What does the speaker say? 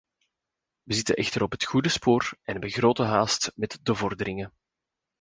Wij zitten echter op het goede spoor en hebben grote haast met de vorderingen.